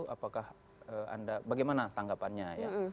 apakah anda bagaimana tanggapannya